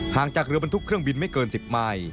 งจากเรือบรรทุกเครื่องบินไม่เกิน๑๐ไมล